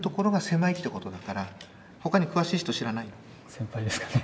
先輩ですかね。